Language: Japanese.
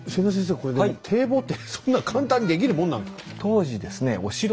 これでも堤防ってそんな簡単に出来るもんなんですか？